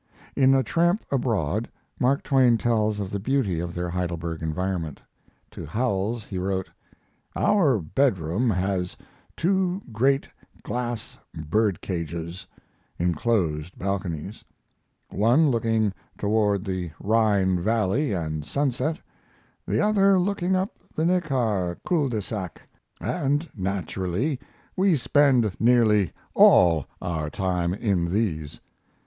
In A Tramp Abroad Mark Twain tells of the beauty of their Heidelberg environment. To Howells he wrote: Our bedroom has two great glass bird cages (inclosed balconies), one looking toward the Rhine Valley and sunset, the other looking up the Neckar cul de sac, and naturally we spend pearly all our time in these.